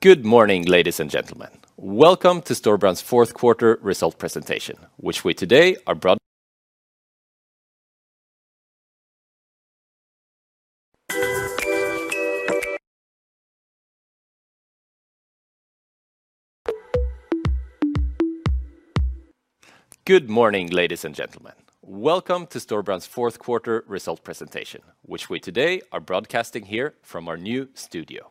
Good morning, ladies and gentlemen. Welcome to Storebrand's Q4 result presentation, which we today are broadcasting here from our new studio.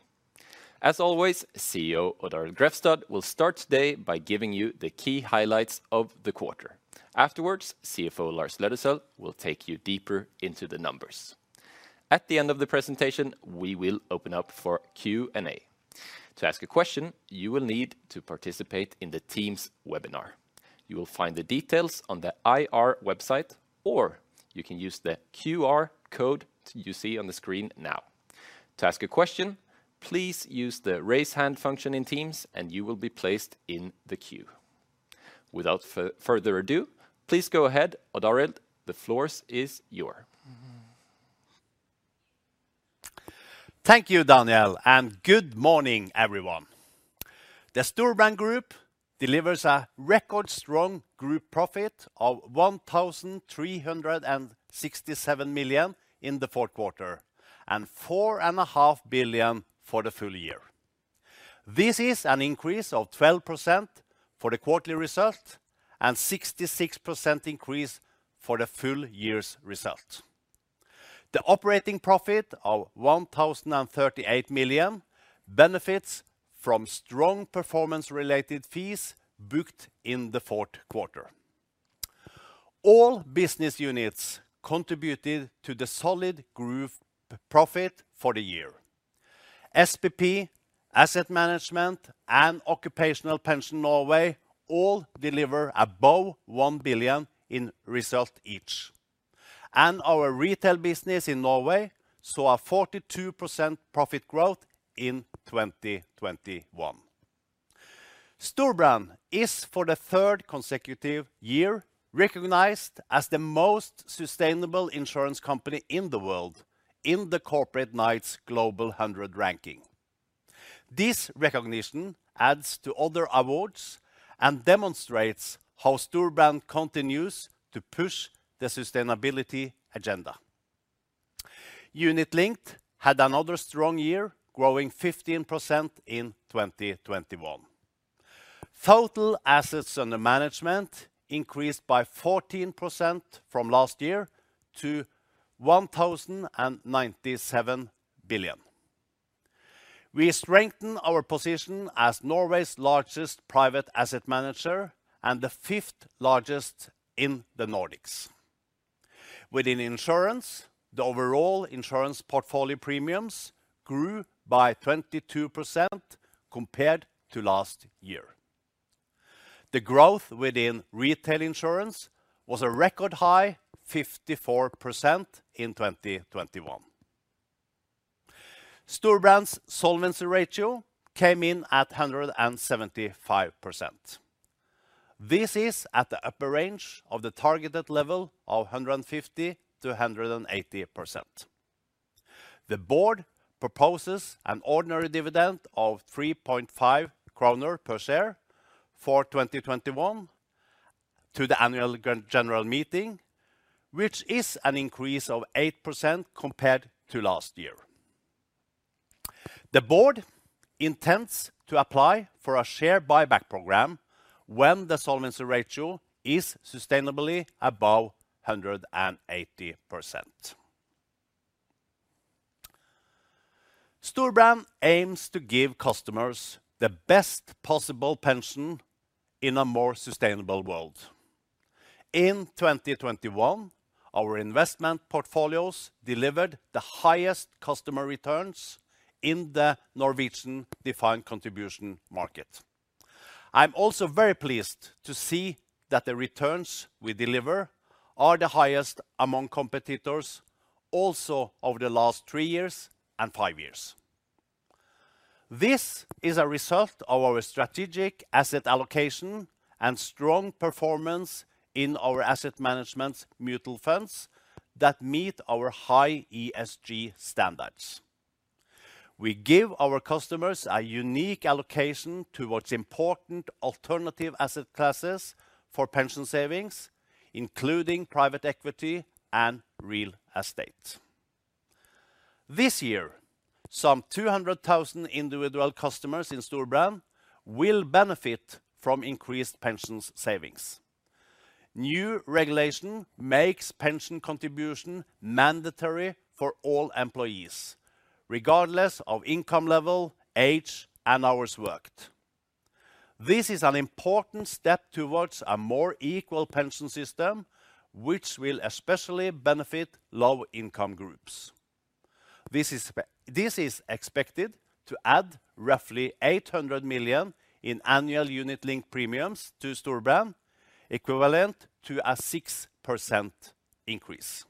As always, CEO Odd Arild Grefstad will start today by giving you the key highlights of the quarter. Afterwards, CFO Lars Aa. Løddesøl will take you deeper into the numbers. At the end of the presentation, we will open up for Q&A. To ask a question, you will need to participate in the team's webinar. You will find the details on the IR website, or you can use the QR code you see on the screen now. To ask a question, please use the Raise Hand function in Teams, and you will be placed in the queue. Without further ado, please go ahead, Odd Arild. The floor is yours. Thank you, Daniel, and good morning, everyone. The Storebrand Group delivers a record strong group profit of 1,367 million in the Q4, and 4.5 billion for the full year. This is an increase of 12% for the quarterly result and 66% increase for the full year's result. The operating profit of 1,038 million benefits from strong performance-related fees booked in the Q4. All business units contributed to the solid group profit for the year. SBP, Asset Management, and Occupational Pension Norway all deliver above 1 billion in result each. Our retail business in Norway saw a 42% profit growth in 2021. Storebrand is, for the third consecutive year, recognized as the most sustainable insurance company in the world in the Corporate Knights Global 100 ranking. This recognition adds to other awards and demonstrates how Storebrand continues to push the sustainability agenda. Unit-linked had another strong year, growing 15% in 2021. Total assets under management increased by 14% from last year to 1,097 billion. We strengthen our position as Norway's largest private asset manager and the fifth largest in the Nordics. Within insurance, the overall insurance portfolio premiums grew by 22% compared to last year. The growth within retail insurance was a record high 54% in 2021. Storebrand's solvency ratio came in at 175%. This is at the upper range of the targeted level of 150%-180%. The board proposes an ordinary dividend of 3.5 kroner per share for 2021 to the annual general meeting, which is an increase of 8% compared to last year. The board intends to apply for a share buyback program when the solvency ratio is sustainably above 180%. Storebrand aims to give customers the best possible pension in a more sustainable world. In 2021, our investment portfolios delivered the highest customer returns in the Norwegian defined contribution market. I'm also very pleased to see that the returns we deliver are the highest among competitors also over the last 3 years and 5 years. This is a result of our strategic asset allocation and strong performance in our asset management mutual funds that meet our high ESG standards. We give our customers a unique allocation towards important alternative asset classes for pension savings, including private equity and real estate. This year, some 200,000 individual customers in Storebrand will benefit from increased pension savings. New regulation makes pension contribution mandatory for all employees, regardless of income level, age, and hours worked. This is an important step towards a more equal pension system, which will especially benefit low income groups. This is expected to add roughly 800 million in annual unit-linked premiums to Storebrand, equivalent to a 6% increase.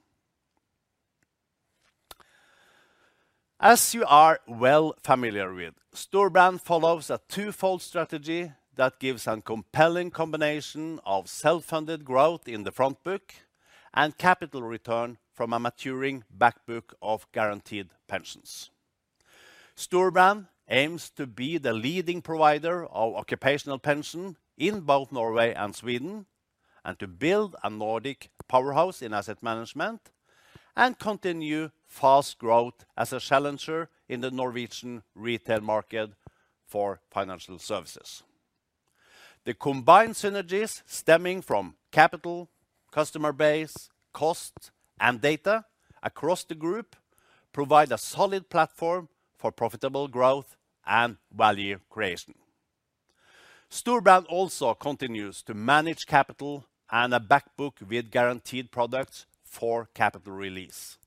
As you are well familiar with, Storebrand follows a twofold strategy that gives a compelling combination of self-funded growth in the front book and capital return from a maturing back book of guaranteed pensions. Storebrand aims to be the leading provider of occupational pension in both Norway and Sweden and to build a Nordic powerhouse in asset management and continue fast growth as a challenger in the Norwegian retail market for financial services. The combined synergies stemming from capital, customer base, cost and data across the group provide a solid platform for profitable growth and value creation. Storebrand also continues to manage capital and a back book with guaranteed products for capital release.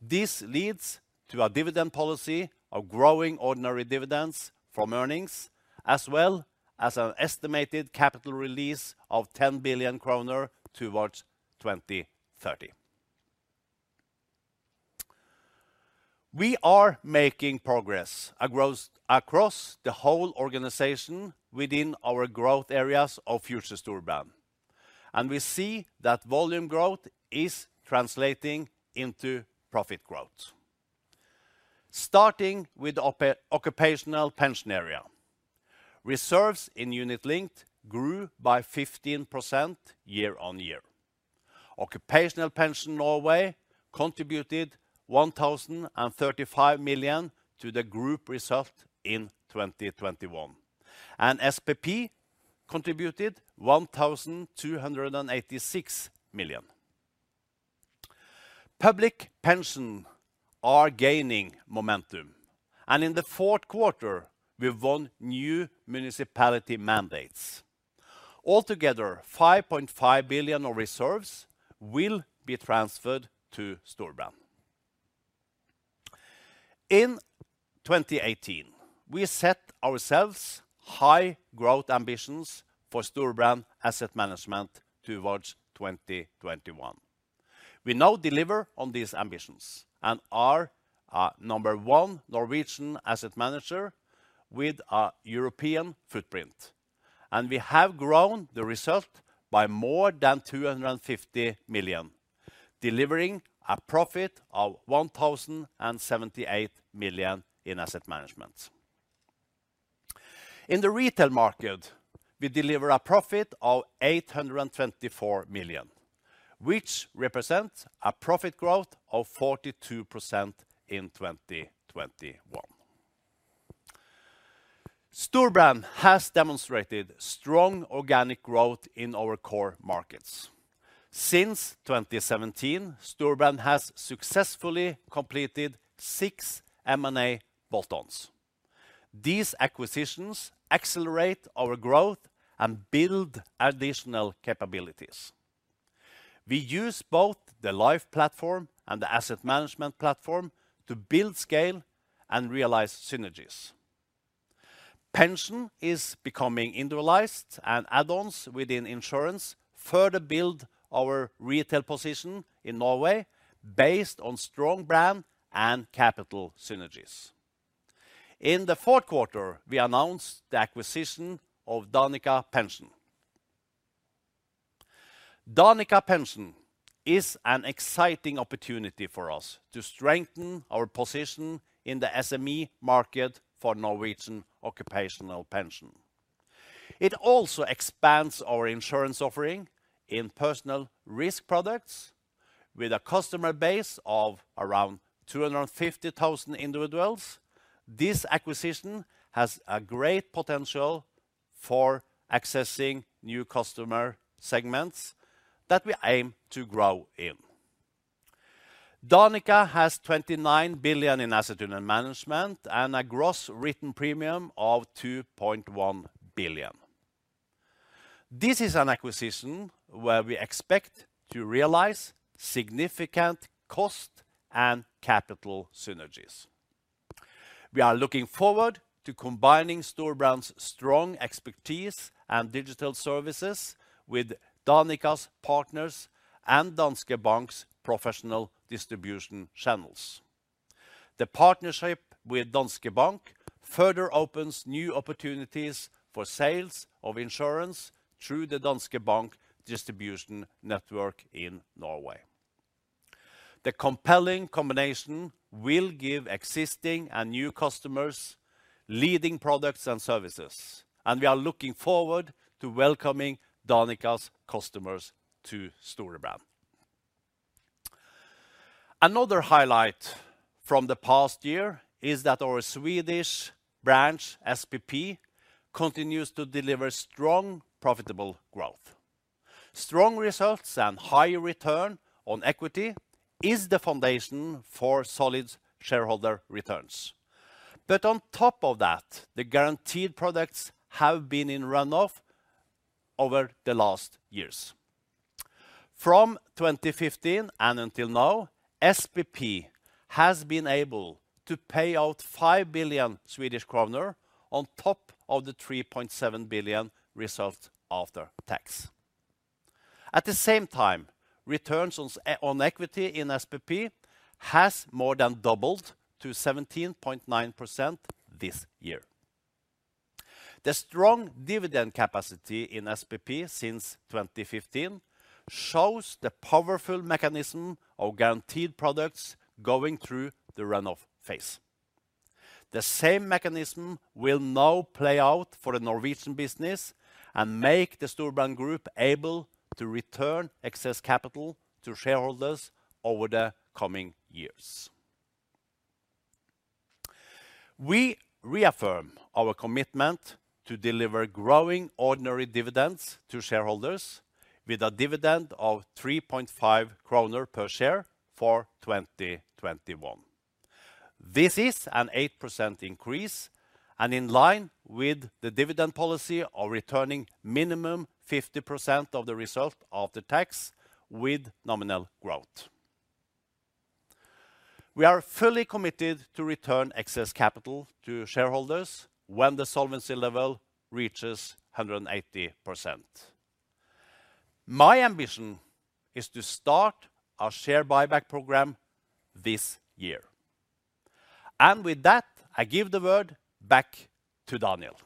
This leads to a dividend policy of growing ordinary dividends from earnings, as well as an estimated capital release of 10 billion kroner towards 2030. We are making progress across the whole organization within our growth areas of Future Storebrand, and we see that volume growth is translating into profit growth. Starting with the occupational pension area, reserves in unit-linked grew by 15% year-on-year. Occupational Pension Norway contributed 1,035 million to the group result in 2021 and SPP contributed NOK 1,286 million. Public pensions are gaining momentum and in the Q4 we won new municipality mandates. Altogether, 5.5 billion of reserves will be transferred to Storebrand. In 2018 we set ourselves high growth ambitions for Storebrand Asset Management towards 2021. We now deliver on these ambitions and are number one Norwegian asset manager with a European footprint, and we have grown the result by more than 250 million, delivering a profit of 1,078 million in asset management. In the retail market we deliver a profit of 824 million, which represents a profit growth of 42% in 2021. Storebrand has demonstrated strong organic growth in our core markets since 2017. Storebrand has successfully completed 6 M&A bolt-ons. These acquisitions accelerate our growth and build additional capabilities. We use both the life platform and the asset management platform to build scale and realize synergies. Pension is becoming individualized and add-ons within insurance further build our retail position in Norway based on strong brand and capital synergies. In the Q4, we announced the acquisition of Danica Pension. Danica Pension is an exciting opportunity for us to strengthen our position in the SME market for Norwegian occupational pension. It also expands our insurance offering in personal risk products with a customer base of around 250,000 individuals. This acquisition has a great potential for accessing new customer segments that we aim to grow in. Danica has 29 billion in assets under management and a gross written premium of 2.1 billion. This is an acquisition where we expect to realize significant cost and capital synergies. We are looking forward to combining Storebrand's strong expertise and digital services with Danica's partners and Danske Bank's professional distribution channels. The partnership with Danske Bank further opens new opportunities for sales of insurance through the Danske Bank distribution network in Norway. The compelling combination will give existing and new customers leading products and services, and we are looking forward to welcoming Danica's customers to Storebrand. Another highlight from the past year is that our Swedish branch, SPP, continues to deliver strong, profitable growth. Strong results and high return on equity is the foundation for solid shareholder returns. On top of that, the guaranteed products have been in runoff over the last years. From 2015 until now, SPP has been able to pay out 5 billion Swedish kronor on top of the 3.7 billion result after tax. At the same time, return on equity in SPP has more than doubled to 17.9% this year. The strong dividend capacity in SPP since 2015 shows the powerful mechanism of guaranteed products going through the run-off phase. The same mechanism will now play out for the Norwegian business and make the Storebrand Group able to return excess capital to shareholders over the coming years. We reaffirm our commitment to deliver growing ordinary dividends to shareholders with a dividend of 3.5 kroner per share for 2021. This is an 8% increase and in line with the dividend policy of returning minimum 50% of the result after tax with nominal growth. We are fully committed to return excess capital to shareholders when the solvency level reaches 180%. My ambition is to start our share buyback program this year. With that, I give the word back to Daniel.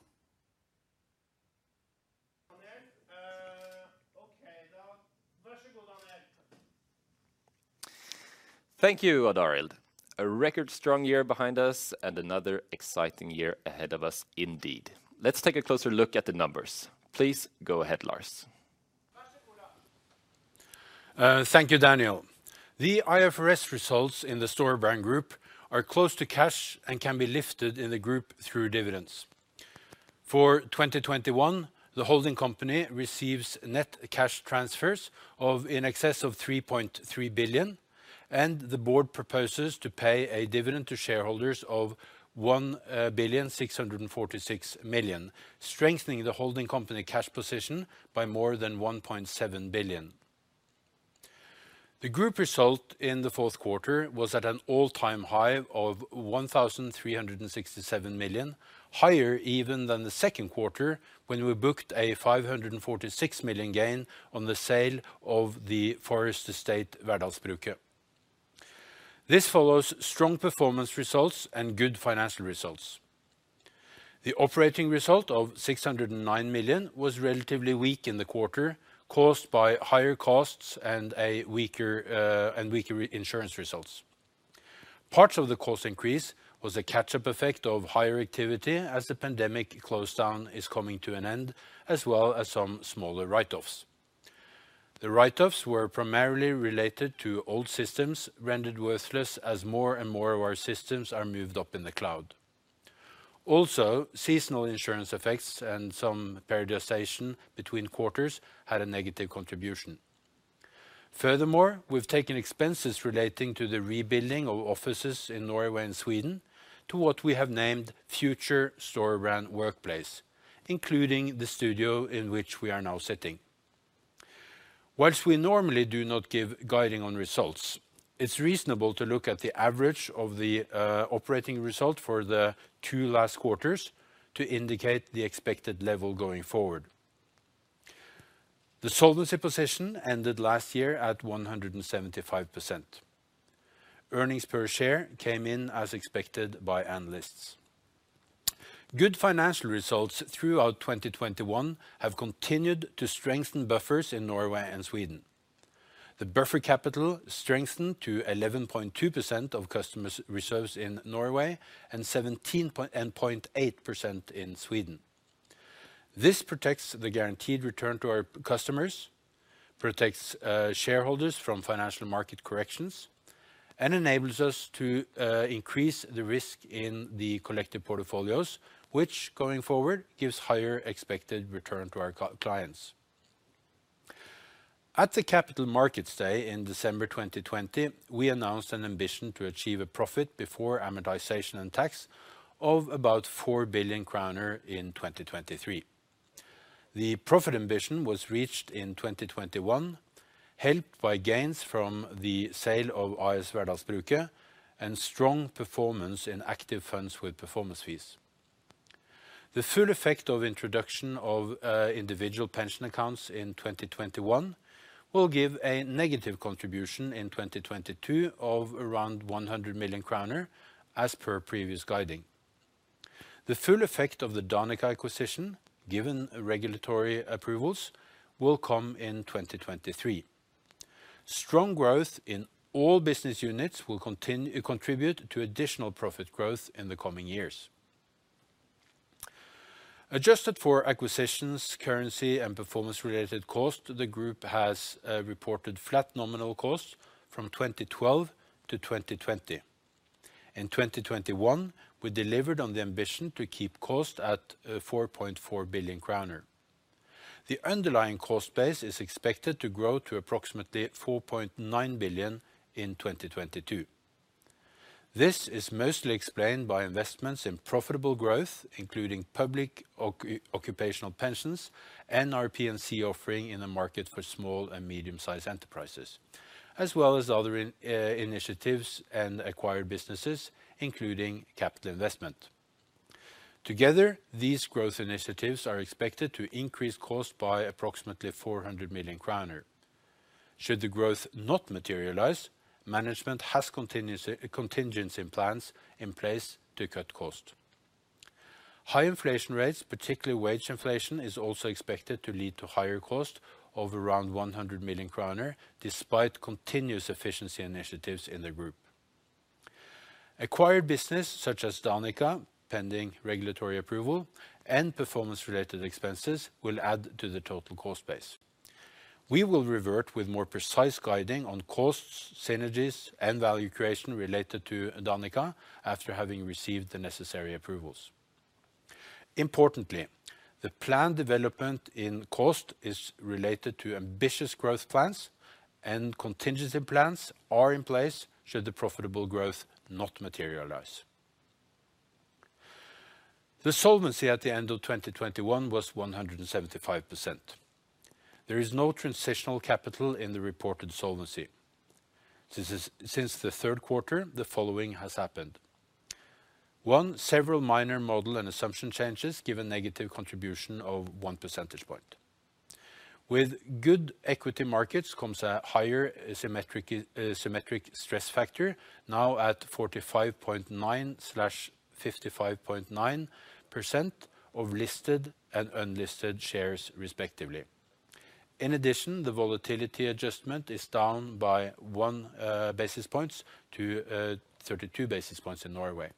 Thank you, Odd Arild. A record strong year behind us and another exciting year ahead of us indeed. Let's take a closer look at the numbers. Please go ahead, Lars. Thank you, Daniel. The IFRS results in the Storebrand Group are close to cash and can be lifted in the group through dividends. For 2021, the holding company receives net cash transfers of in excess of 3.3 billion, and the board proposes to pay a dividend to shareholders of 1.646 billion, strengthening the holding company cash position by more than 1.7 billion. The group result in the fourth quarter was at an all-time high of 1,367 million, higher even than the second quarter when we booked a 546 million gain on the sale of the forest estate. This follows strong performance results and good financial results. The operating result of 609 million was relatively weak in the quarter, caused by higher costs and a weaker insurance results. Part of the cost increase was a catch-up effect of higher activity as the pandemic lockdown is coming to an end, as well as some smaller write-offs. The write-offs were primarily related to old systems rendered worthless as more and more of our systems are moved up in the cloud. Also, seasonal insurance effects and some periodization between quarters had a negative contribution. Furthermore, we've taken expenses relating to the rebuilding of offices in Norway and Sweden to what we have named Future Storebrand Workplace, including the studio in which we are now sitting. While we normally do not give guiding on results, it's reasonable to look at the average of the operating result for the two last quarters to indicate the expected level going forward. The solvency position ended last year at 175%. Earnings per share came in as expected by analysts. Good financial results throughout 2021 have continued to strengthen buffers in Norway and Sweden. The buffer capital strengthened to 11.2% of customers' reserves in Norway and 17.8% in Sweden. This protects the guaranteed return to our customers, protects shareholders from financial market corrections, and enables us to increase the risk in the collective portfolios, which, going forward, gives higher expected return to our clients. At the Capital Markets Day in December 2020, we announced an ambition to achieve a profit before amortization and tax of about 4 billion kroner in 2023. The profit ambition was reached in 2021, helped by gains from the sale of AS Værdalsbruket and strong performance in active funds with performance fees. The full effect of introduction of individual pension accounts in 2021 will give a negative contribution in 2022 of around 100 million kroner as per previous guidance. The full effect of the Danica acquisition, given regulatory approvals, will come in 2023. Strong growth in all business units will contribute to additional profit growth in the coming years. Adjusted for acquisitions, currency, and performance related cost, the group has reported flat nominal costs from 2012 to 2020. In 2021, we delivered on the ambition to keep cost at 4.4 billion kroner. The underlying cost base is expected to grow to approximately 4.9 billion in 2022. This is mostly explained by investments in profitable growth, including public occupational pensions and our P&C offering in the market for small and medium sized enterprises, as well as other initiatives and acquired businesses, including Capital Investment. Together, these growth initiatives are expected to increase cost by approximately 400 million kroner. Should the growth not materialize, management has contingency plans in place to cut cost. High inflation rates, particularly wage inflation, is also expected to lead to higher cost of around 100 million kroner, despite continuous efficiency initiatives in the group. Acquired business such as Danica, pending regulatory approval, and performance related expenses will add to the total cost base. We will revert with more precise guidance on costs, synergies, and value creation related to Danica after having received the necessary approvals. Importantly, the planned development in cost is related to ambitious growth plans and contingency plans are in place should the profitable growth not materialize. The solvency at the end of 2021 was 175%. There is no transitional capital in the reported solvency. Since the third quarter, the following has happened. One, several minor model and assumption changes give a negative contribution of one percentage point. With good equity markets comes a higher symmetric stress factor, now at 45.9%/55.9% of listed and unlisted shares, respectively. In addition, the volatility adjustment is down by one basis points to 32 basis points in Norway.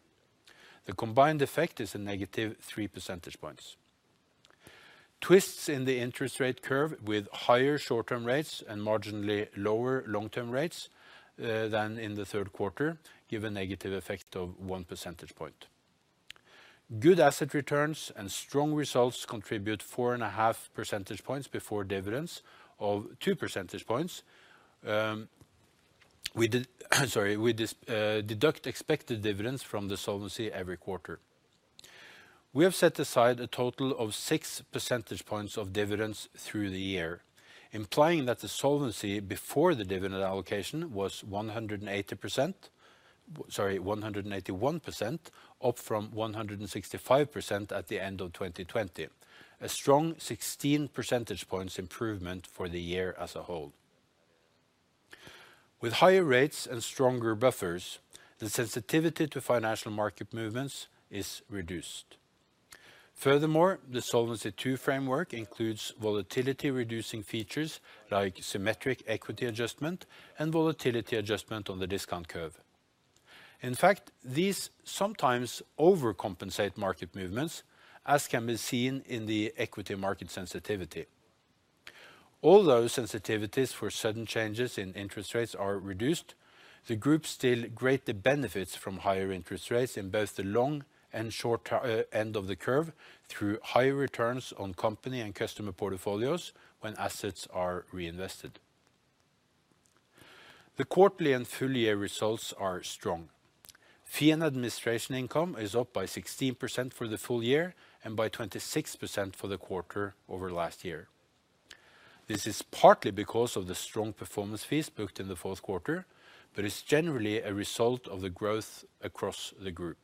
The combined effect is a negative three percentage points. Twists in the interest rate curve with higher short term rates and marginally lower long term rates than in the third quarter give a negative effect of one percentage point. Good asset returns and strong results contribute 4.5 percentage points before dividends of two percentage points. We deduct expected dividends from the solvency every quarter. We have set aside a total of 6 percentage points of dividends through the year, implying that the solvency before the dividend allocation was 181%, up from 165% at the end of 2020. A strong 16 percentage points improvement for the year as a whole. With higher rates and stronger buffers, the sensitivity to financial market movements is reduced. Furthermore, the Solvency II framework includes volatility reducing features like symmetric adjustment and volatility adjustment on the discount curve. In fact, these sometimes overcompensate market movements, as can be seen in the equity market sensitivity. Although sensitivities for sudden changes in interest rates are reduced, the group still greatly benefits from higher interest rates in both the long and short end of the curve through higher returns on company and customer portfolios when assets are reinvested. The quarterly and full year results are strong. Fee and administration income is up by 16% for the full year and by 26% for the quarter over last year. This is partly because of the strong performance fees booked in the fourth quarter, but it's generally a result of the growth across the group.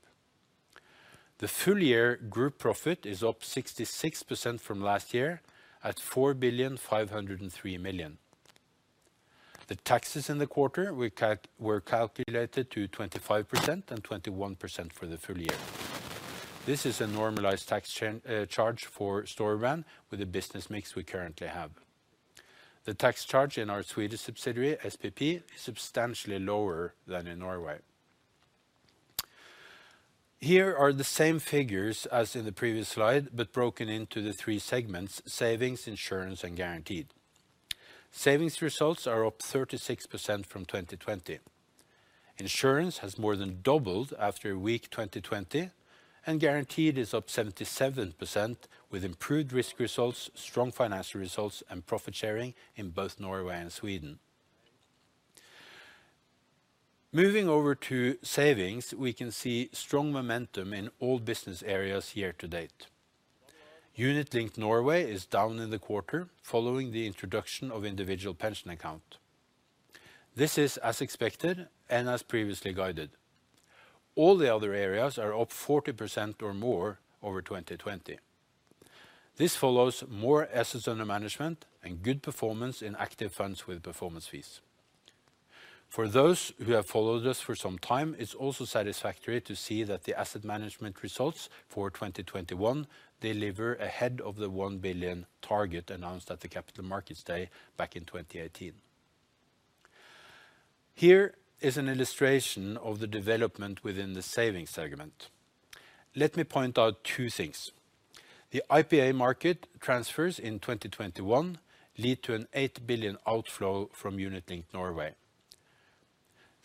The full year group profit is up 66% from last year at 4.503 billion. The taxes in the quarter were calculated to 25% and 21% for the full year. This is a normalized tax charge for Storebrand with the business mix we currently have. The tax charge in our Swedish subsidiary, SPP, is substantially lower than in Norway. Here are the same figures as in the previous slide, but broken into the three segments, savings, insurance, and guaranteed. Savings results are up 36% from 2020. Insurance has more than doubled after a weak 2020, and guaranteed is up 77% with improved risk results, strong financial results, and profit sharing in both Norway and Sweden. Moving over to savings, we can see strong momentum in all business areas year to date. Unit Linked Norway is down in the quarter following the introduction of Individual Pension Account. This is as expected and as previously guided. All the other areas are up 40% or more over 2020. This follows more assets under management and good performance in active funds with performance fees. For those who have followed us for some time, it's also satisfactory to see that the asset management results for 2021 deliver ahead of the 1 billion target announced at the Capital Markets Day back in 2018. Here is an illustration of the development within the savings segment. Let me point out two things. The IPA market transfers in 2021 lead to an 8 billion outflow from Unit Linked Norway.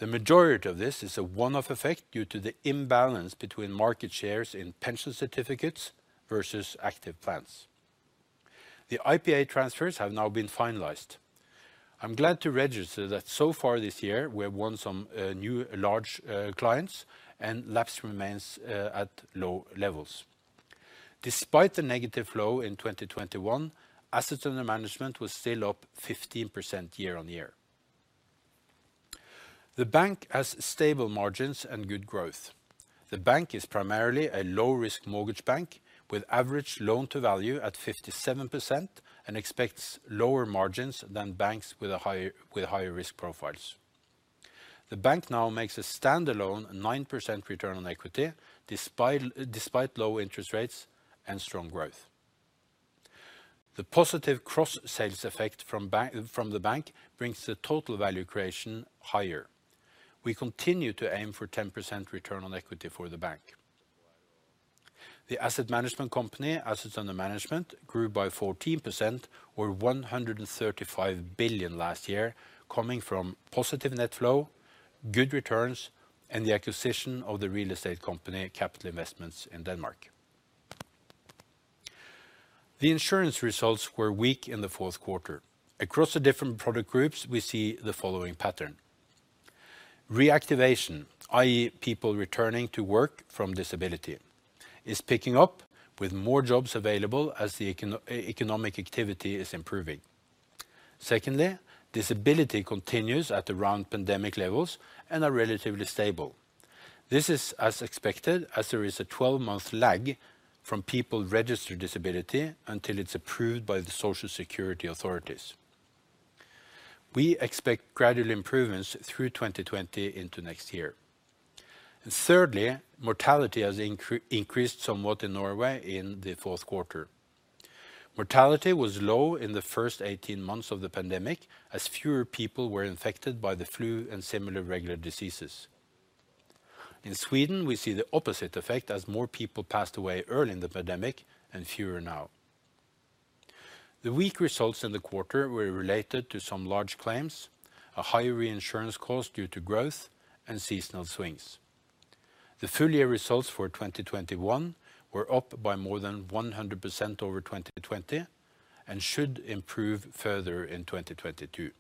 The majority of this is a one-off effect due to the imbalance between market shares in pension certificates versus active plans. The IPA transfers have now been finalized. I'm glad to register that so far this year we have won some new large clients and lapse remains at low levels. Despite the negative flow in 2021, assets under management were still up 15% year on year. The bank has stable margins and good growth. The bank is primarily a low risk mortgage bank with average loan to value at 57% and expects lower margins than banks with higher risk profiles. The bank now makes a standalone 9% return on equity despite low interest rates and strong growth. The positive cross sales effect from the bank brings the total value creation higher. We continue to aim for 10% return on equity for the bank. The asset management company assets under management grew by 14% or 135 billion last year, coming from positive net flow, good returns, and the acquisition of the real estate company Capital Investment in Denmark. The insurance results were weak in the fourth quarter. Across the different product groups, we see the following pattern. Reactivation, i.e. people returning to work from disability, is picking up with more jobs available as the economic activity is improving. Secondly, disability continues at around pandemic levels and are relatively stable. This is as expected, as there is a 12-month lag from people registered disability until it's approved by the Social Security authorities. We expect gradual improvements through 2020 into next year. Thirdly, mortality has increased somewhat in Norway in the Q4. Mortality was low in the first 18 months of the pandemic as fewer people were infected by the flu and similar regular diseases. In Sweden, we see the opposite effect as more people passed away early in the pandemic and fewer now. The weak results in the quarter were related to some large claims, a higher reinsurance cost due to growth, and seasonal swings. The full year results for 2021 were up by more than 100% over 2020 and should improve further in 2022.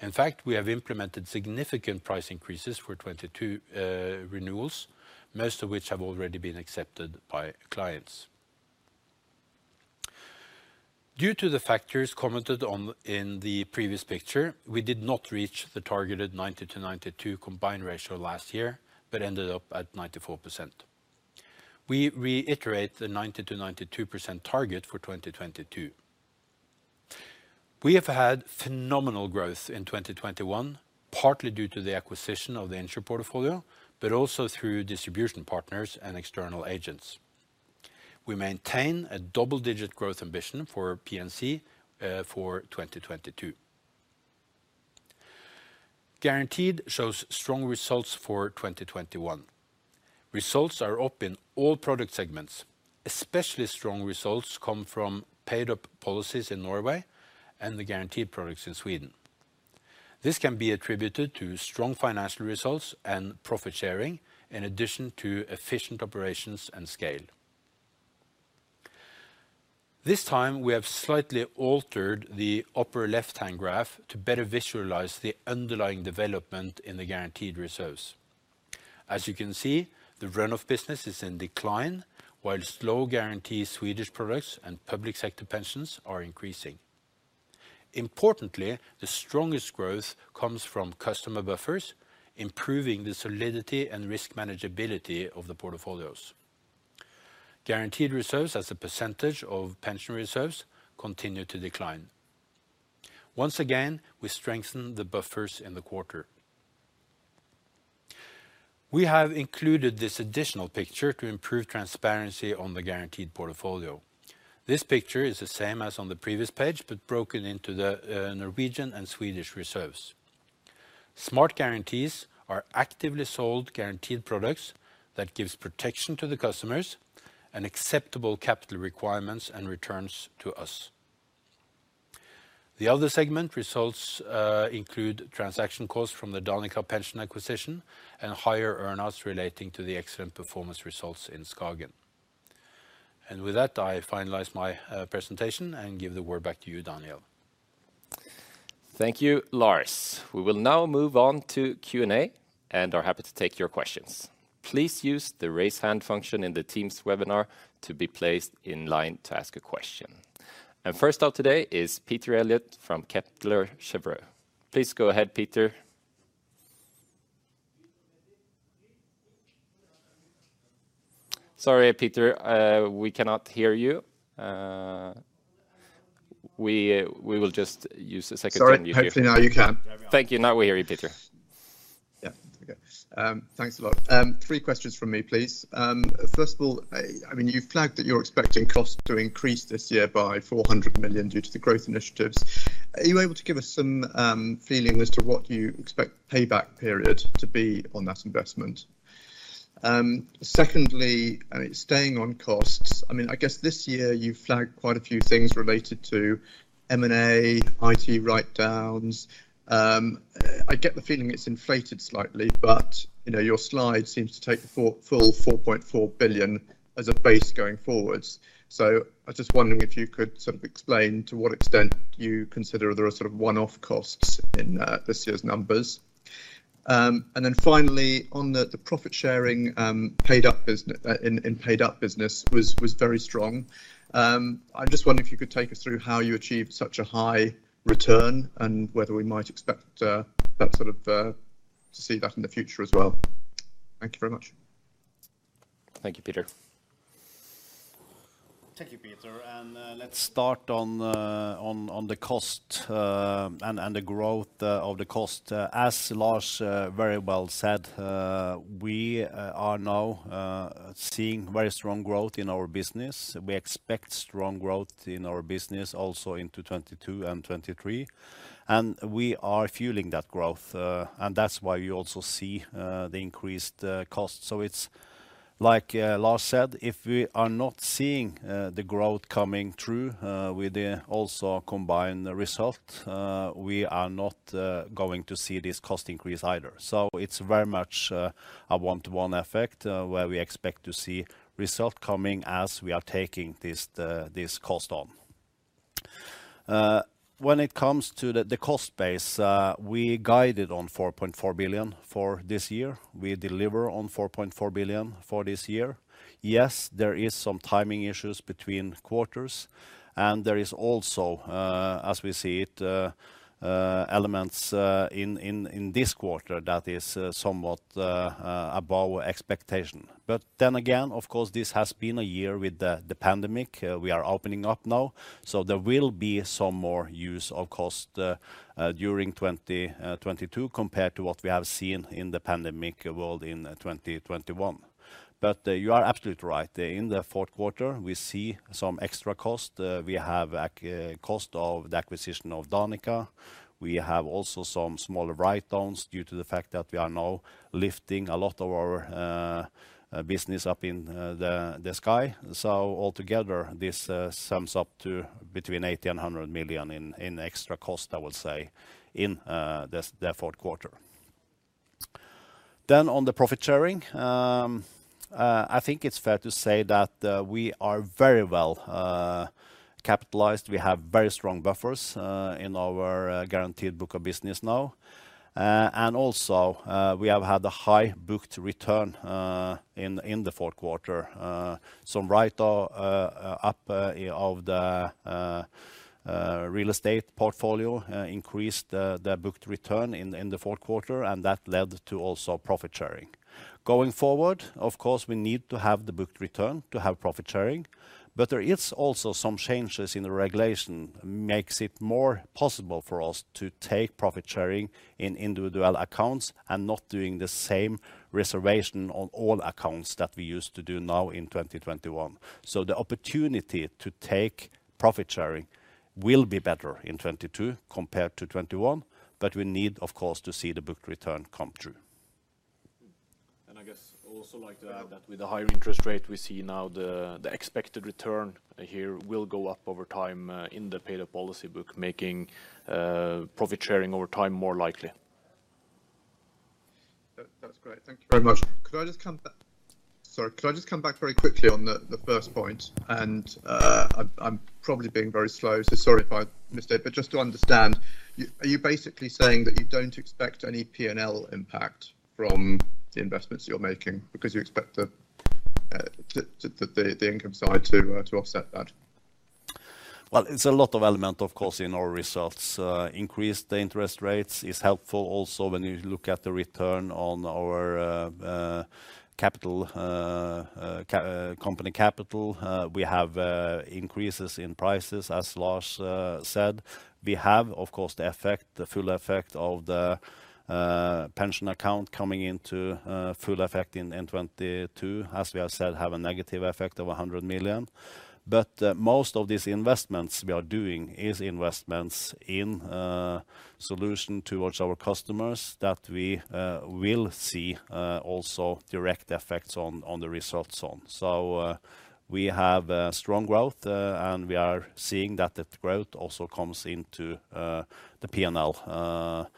In fact, we have implemented significant price increases for 2022 renewals, most of which have already been accepted by clients. Due to the factors commented on in the previous picture, we did not reach the targeted 90%-92% combined ratio last year, but ended up at 94%. We reiterate the 90%-92% target for 2022. We have had phenomenal growth in 2021, partly due to the acquisition of the Insr portfolio, but also through distribution partners and external agents. We maintain a double-digit growth ambition for P&C for 2022. Guaranteed shows strong results for 2021. Results are up in all product segments. Especially strong results come from paid-up policies in Norway and the guaranteed products in Sweden. This can be attributed to strong financial results and profit sharing in addition to efficient operations and scale. This time we have slightly altered the upper left-hand graph to better visualize the underlying development in the guaranteed reserves. As you can see, the run-off business is in decline while low-guarantee Swedish products and public sector pensions are increasing. Importantly, the strongest growth comes from customer buffers, improving the solidity and risk manageability of the portfolios. Guaranteed reserves as a percentage of pension reserves continue to decline. Once again, we strengthen the buffers in the quarter. We have included this additional picture to improve transparency on the guaranteed portfolio. This picture is the same as on the previous page, but broken into the Norwegian and Swedish reserves. Smart guarantees are actively sold guaranteed products that gives protection to the customers and acceptable capital requirements and returns to us. The other segment results include transaction costs from the Danica Pension acquisition and higher earn outs relating to the excellent performance results in SKAGEN. With that, I finalize my presentation and give the word back to you, Daniel. Thank you, Lars. We will now move on to Q&A and are happy to take your questions. Please use the raise hand function in the teams webinar to be placed in line to ask a question. First up today is Peter Eliot from Kepler Cheuvreux. Please go ahead, Peter. Sorry, Peter, we cannot hear you. We will just use a second. Sorry. Hopefully now you can. Thank you. Now we hear you, Peter. Yeah. Okay. Thanks a lot. Three questions from me, please. First of all, I mean, you've flagged that you're expecting costs to increase this year by 400 million due to the growth initiatives. Are you able to give us some feeling as to what you expect payback period to be on that investment? Secondly, I mean, staying on costs, I mean, I guess this year you flagged quite a few things related to M&A, IT write downs. I get the feeling it's inflated slightly, but, you know, your slide seems to take the full 4.4 billion as a base going forwards. I was just wondering if you could sort of explain to what extent you consider there are sort of one-off costs in this year's numbers. Finally on the profit sharing in paid up business was very strong. I'm just wondering if you could take us through how you achieved such a high return and whether we might expect that sort of to see that in the future as well. Thank you very much. Thank you, Peter. Thank you, Peter. Let's start on the cost and the growth of the cost. As Lars very well said, we are now seeing very strong growth in our business. We expect strong growth in our business also into 2022 and 2023. We are fueling that growth, and that's why you also see the increased costs. It's like Lars said, if we are not seeing the growth coming through with the also combined ratio, we are not going to see this cost increase either. It's very much a one-to-one effect where we expect to see result coming as we are taking this cost on. When it comes to the cost base, we guided on 4.4 billion for this year. We deliver 4.4 billion for this year. Yes, there is some timing issues between quarters, and there is also, as we see it, elements in this quarter that is somewhat above expectation. But then again, of course, this has been a year with the pandemic. We are opening up now, so there will be some more use of cost during 2022 compared to what we have seen in the pandemic world in 2021. But you are absolutely right. In the Q4, we see some extra cost. We have cost of the acquisition of Danica. We have also some smaller write-downs due to the fact that we are now lifting a lot of our business up in the sky. Altogether this sums up to between 80 million and 100 million in extra cost, I would say, in the Q4. On the profit sharing, I think it's fair to say that we are very well capitalized. We have very strong buffers in our guaranteed book of business now. We also have had a high booked return in the Q4. Some writedown of the real estate portfolio increased the booked return in the fourth quarter, and that led to profit sharing. Going forward, of course, we need to have the booked return to have profit sharing. There is also some changes in the regulation makes it more possible for us to take profit sharing in individual accounts and not doing the same reservation on all accounts that we used to do now in 2021. The opportunity to take profit sharing will be better in 2022 compared to 2021, but we need, of course, to see the booked return come true. I guess also like to add that with a higher interest rate, we see now the expected return here will go up over time, in the paid-up policy book, making profit sharing over time more likely. That’s great. Thank you very much. Could I just come back? Sorry, could I just come back very quickly on the first point? I’m probably being very slow, so sorry if I missed it. Just to understand, are you basically saying that you don’t expect any P&L impact from the investments you’re making because you expect the income side to offset that? Well, it's a lot of elements, of course, in our results. The increase in interest rates is helpful also when you look at the return on our company capital. We have increases in prices, as Lars said. We have, of course, the full effect of the pension account coming into full effect in 2022, as we have said, have a negative effect of 100 million. Most of these investments we are doing is investments in solutions towards our customers that we will see also direct effects on the results. We have strong growth and we are seeing that the growth also comes into the P&L directly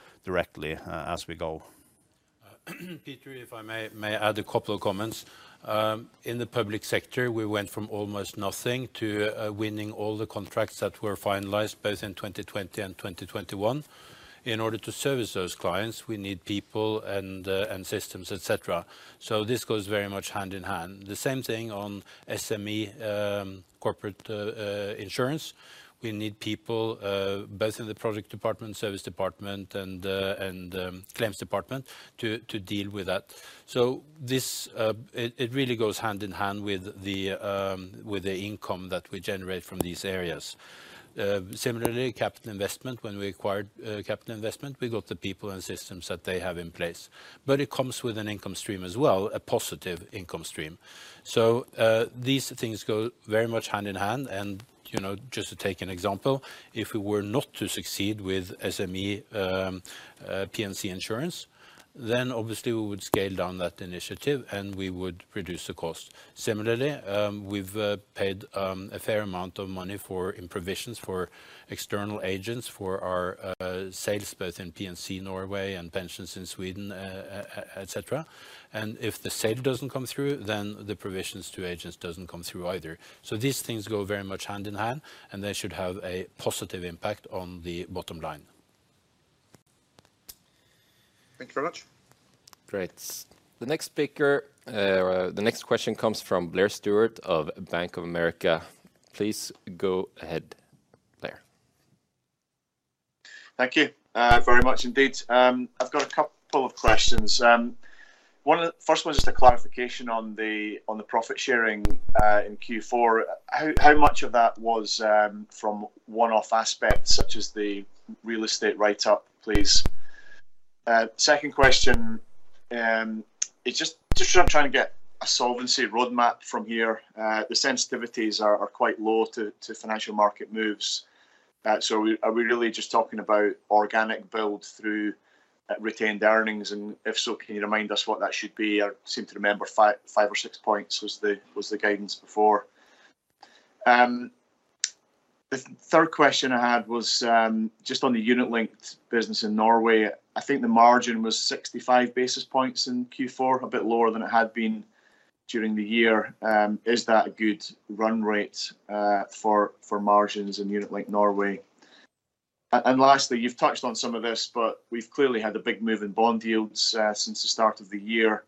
as we go. Peter, if I may add a couple of comments. In the public sector, we went from almost nothing to winning all the contracts that were finalized both in 2020 and 2021. In order to service those clients, we need people and systems, etc. This goes very much hand in hand. The same thing on SME, corporate insurance. We need people both in the product department, service department, and the claims department to deal with that. This really goes hand in hand with the income that we generate from these areas. Similarly, Capital Investment, when we acquired Capital Investment, we got the people and systems that they have in place. It comes with an income stream as well, a positive income stream. These things go very much hand in hand. You know, just to take an example, if we were not to succeed with SME, P&C Insurance, then obviously we would scale down that initiative, and we would reduce the cost. Similarly, we've paid a fair amount of money in provisions for external agents for our sales both in P&C Norway and pensions in Sweden, etc. If the sale doesn't come through, then the provisions to agents doesn't come through either. These things go very much hand in hand, and they should have a positive impact on the bottom line. Thank you very much. Great. The next speaker, the next question comes from Blair Stewart of Bank of America. Please go ahead, Blair. Thank you, very much indeed. I've got a couple of questions. First one is just a clarification on the profit sharing in Q4. How much of that was from one-off aspects such as the real estate write up, please? Second question, it's just sort of trying to get a solvency roadmap from here. The sensitivities are quite low to financial market moves. So are we really just talking about organic build through retained earnings, and if so, can you remind us what that should be? I seem to remember 5 or 6 points was the guidance before. The third question I had was just on the unit linked business in Norway. I think the margin was 65 basis points in Q4, a bit lower than it had been during the year. Is that a good run rate for margins in a unit like Norway? Lastly, you've touched on some of this, but we've clearly had a big move in bond yields since the start of the year.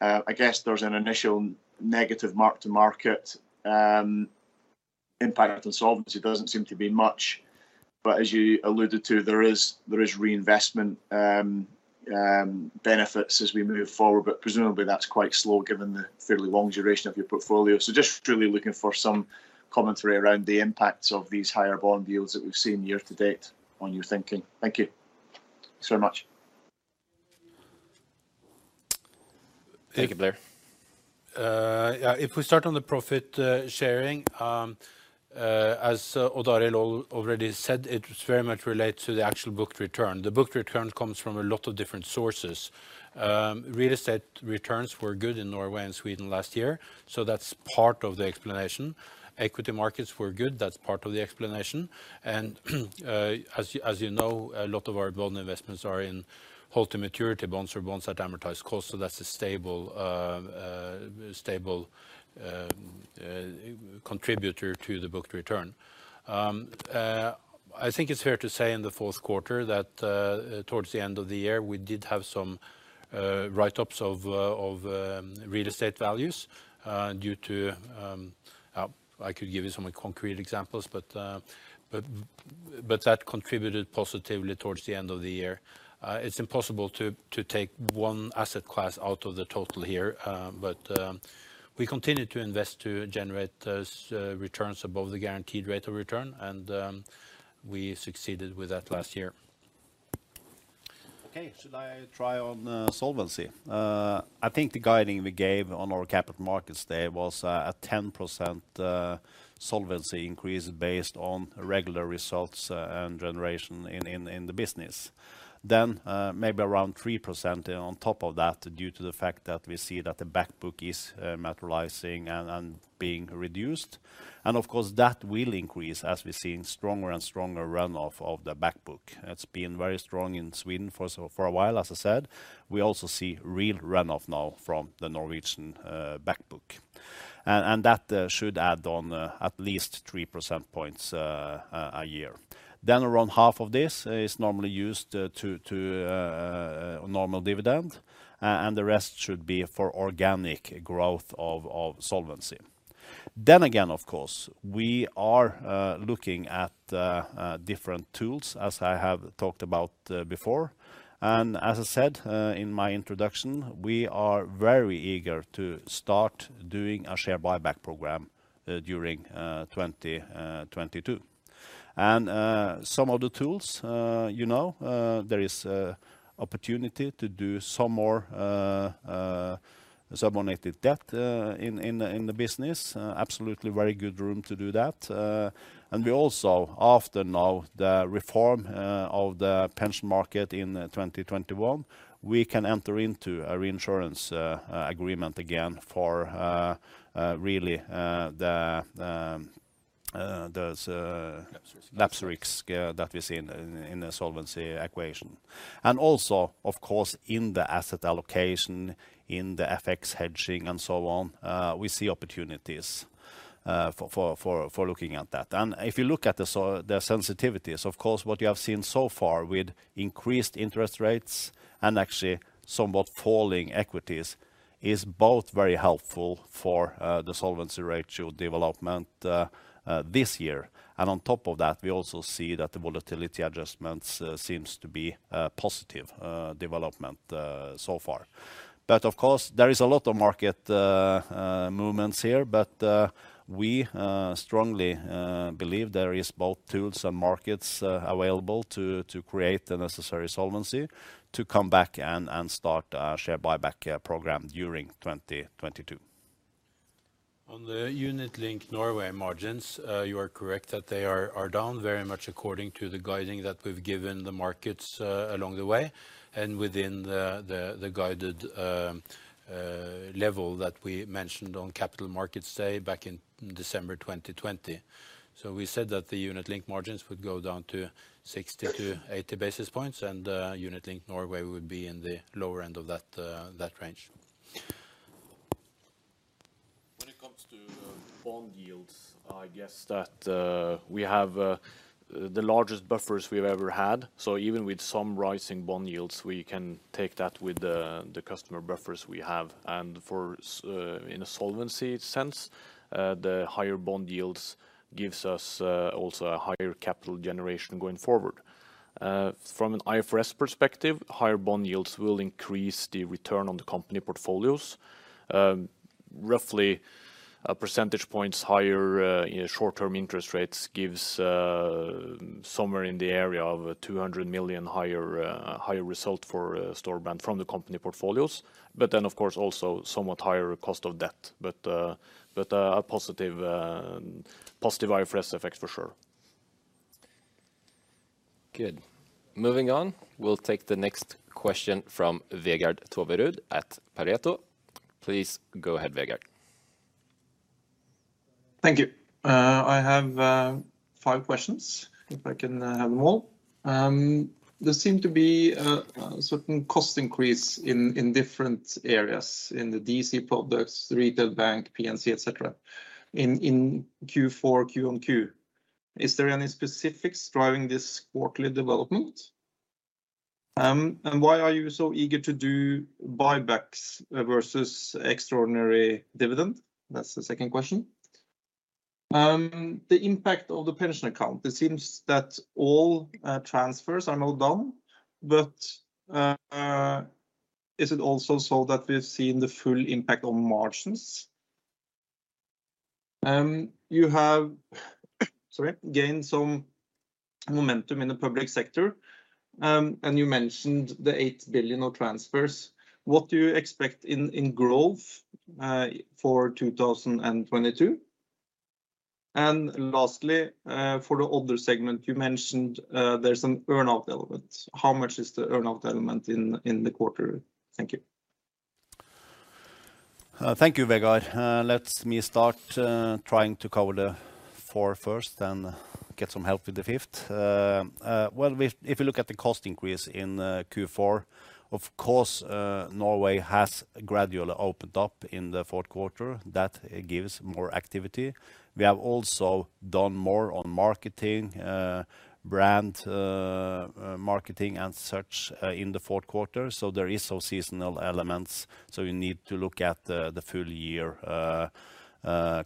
I guess there's an initial negative mark-to-market impact on solvency. It doesn't seem to be much. As you alluded to, there is reinvestment benefits as we move forward, but presumably that's quite slow given the fairly long duration of your portfolio. Just really looking for some commentary around the impacts of these higher bond yields that we've seen year to date on your thinking. Thank you. Thanks very much. Thank you, Blair. Yeah, if we start on the profit sharing, as Odd Arild already said, it very much relates to the actual booked return. The booked return comes from a lot of different sources. Real estate returns were good in Norway and Sweden last year, so that's part of the explanation. Equity markets were good, that's part of the explanation. As you know, a lot of our bond investments are in hold-to-maturity bonds or bonds that amortize cost, so that's a stable contributor to the booked return. I think it's fair to say in the Q4 that towards the end of the year, we did have some write-ups of real estate values. I could give you some concrete examples, but that contributed positively towards the end of the year. It's impossible to take one asset class out of the total here, but we continue to invest to generate those returns above the guaranteed rate of return, and we succeeded with that last year. Okay. Should I try on solvency? I think the guidance we gave on our Capital Markets Day was a 10% solvency increase based on regular results and generation in the business. Maybe around 3% on top of that due to the fact that we see that the back book is materializing and being reduced. Of course, that will increase as we're seeing stronger and stronger run-off of the back book. It's been very strong in Sweden for a while, as I said. We also see real run-off now from the Norwegian back book. That should add on at least 3 percentage points a year. Around half of this is normally used to a normal dividend, and the rest should be for organic growth of solvency. Of course, we are looking at different tools, as I have talked about before. As I said in my introduction, we are very eager to start doing a share buyback program during 2022. Some of the tools, you know, there is opportunity to do some more subordinated debt in the business. Absolutely very good room to do that. We also, after now the reform of the pension market in 2021, we can enter into a reinsurance agreement again for really the. lapse risk Lapse risk, yeah, that we see in the solvency equation. Also, of course, in the asset allocation, in the FX hedging and so on, we see opportunities for looking at that. If you look at the sensitivities, of course, what you have seen so far with increased interest rates and actually somewhat falling equities is both very helpful for the solvency ratio development this year. On top of that, we also see that the volatility adjustments seems to be a positive development so far. Of course, there is a lot of market movements here, but we strongly believe there is both tools and markets available to create the necessary solvency to come back and start a share buyback program during 2022. On the Unit Linked Norway margins, you are correct that they are down very much according to the guidance that we've given the markets along the way and within the guided level that we mentioned on Capital Markets Day back in December 2020. We said that the Unit Linked margins would go down to 60-80 basis points and Unit Linked Norway would be in the lower end of that range. When it comes to bond yields, I guess that we have the largest buffers we've ever had. Even with some rising bond yields, we can take that with the customer buffers we have. In a solvency sense, the higher bond yields gives us also a higher capital generation going forward. From an IFRS perspective, higher bond yields will increase the return on the company portfolios. Roughly 1 percentage point higher, you know, short-term interest rates gives somewhere in the area of 200 million higher result for Storebrand from the company portfolios. But then, of course, also somewhat higher cost of debt. But a positive IFRS effect for sure. Good. Moving on, we'll take the next question from Vegard Toverud at Pareto. Please go ahead, Vegard. Thank you. I have 5 questions, if I can have them all. There seem to be a certain cost increase in different areas, in the DC products, retail bank, P&C, etc., in Q4, Q-on-Q. Is there any specifics driving this quarterly development? Why are you so eager to do buybacks versus extraordinary dividend? That's the second question. The impact of the pension account, it seems that all transfers are now done, but is it also so that we've seen the full impact on margins? You have, sorry, gained some momentum in the public sector, and you mentioned the 8 billion of transfers. What do you expect in growth for 2022? Lastly, for the other segment, you mentioned there's an earn-out element. How much is the earn-out element in the quarter? Thank you. Thank you, Vegard. Let me start trying to cover the four first, then get some help with the fifth. Well, if you look at the cost increase in Q4, of course, Norway has gradually opened up in the Q4. That gives more activity. We have also done more on marketing, brand marketing and such in the Q4. There is some seasonal elements, so you need to look at the full year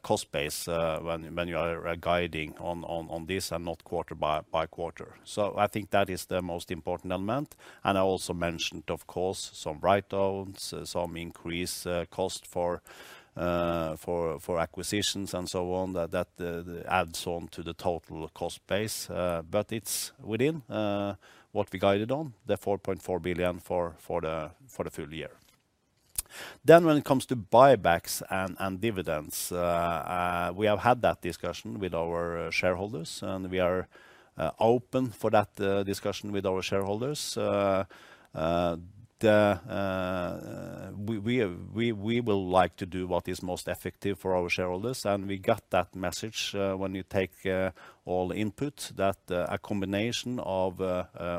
cost base when you are guiding on this and not quarter by quarter. I think that is the most important element. I also mentioned, of course, some write-downs, some increase cost for acquisitions and so on. That adds on to the total cost base. It's within what we guided on, 4.4 billion for the full year. When it comes to buybacks and dividends, we have had that discussion with our shareholders, and we are open for that discussion with our shareholders. We will like to do what is most effective for our shareholders, and we got that message when you take all input that a combination of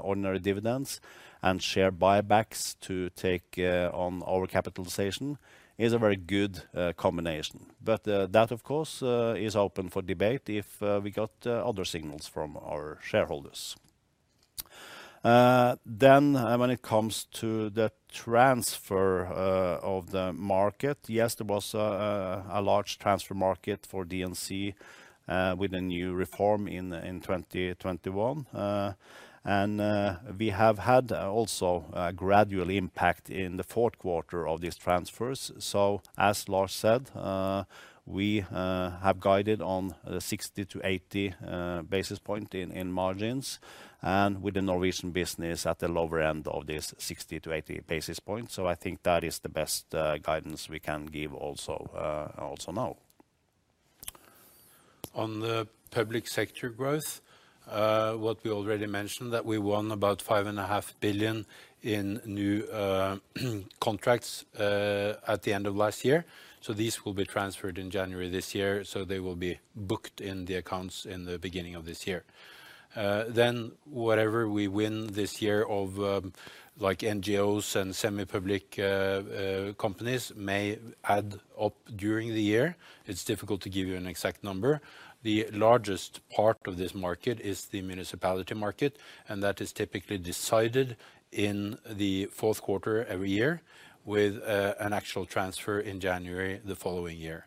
ordinary dividends and share buybacks to take on our capitalization is a very good combination. That of course is open for debate if we got other signals from our shareholders. When it comes to the transfer of the market, yes, there was a large transfer market for DC with a new reform in 2021. We have had also a gradual impact in the Q4 of these transfers. As Lars said, we have guided on 60-80 basis points in margins and with the Norwegian business at the lower end of this 60-80 basis points. I think that is the best guidance we can give now. On the public sector growth, what we already mentioned, that we won about 5.5 billion in new contracts at the end of last year. These will be transferred in January this year, so they will be booked in the accounts in the beginning of this year. Then whatever we win this year of, like NGOs and semi-public companies may add up during the year. It's difficult to give you an exact number. The largest part of this market is the municipality market, and that is typically decided in the fourth quarter every year with an actual transfer in January the following year.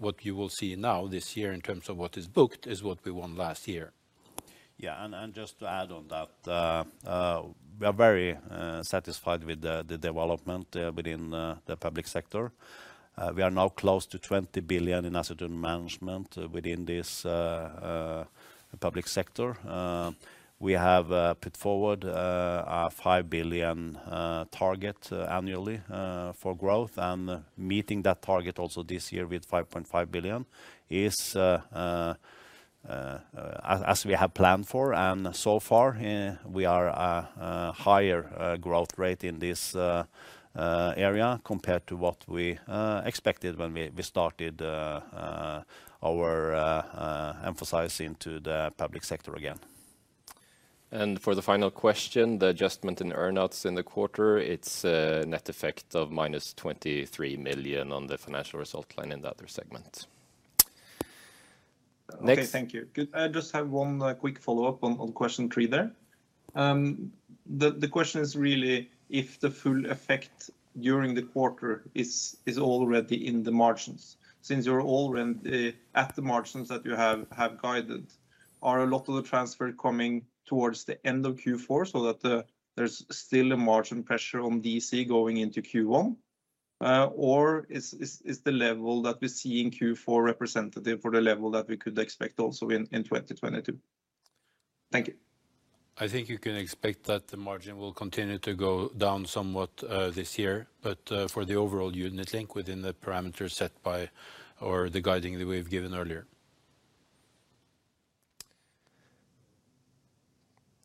What you will see now this year in terms of what is booked is what we won last year. Just to add on that, we are very satisfied with the development within the public sector. We are now close to 20 billion in asset management within this public sector. We have put forward a 5 billion target annually for growth. Meeting that target also this year with 5.5 billion is as we have planned for. So far, we have a higher growth rate in this area compared to what we expected when we started our emphasis on the public sector again. For the final question, the adjustment in earn-outs in the quarter, it's a net effect of -23 million on the financial result line in the other segment. Next. Okay, thank you. Good. I just have one quick follow-up on question three there. The question is really if the full effect during the quarter is already in the margins, since you're already at the margins that you have guided, are a lot of the transfer coming towards the end of Q4 so that there's still a margin pressure on DC going into Q1? Or is the level that we see in Q4 representative for the level that we could expect also in 2022? Thank you. I think you can expect that the margin will continue to go down somewhat this year. For the overall unit-linked within the parameters set by our guidance that we've given earlier.